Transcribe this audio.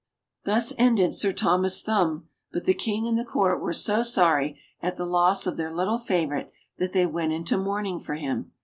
Thus ended Sir Thomas Thumb ; but the King and the Court were so sorry at the loss of their little favourite that they went into mourning for him.